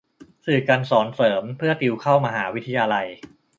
สื่อการสอนเสริมเพื่อติวเข้ามหาวิทยาลัย